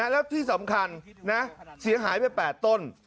แล้วที่สำคัญเสียหายไป๘ต้น